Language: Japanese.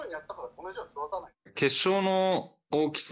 結晶の大きさ。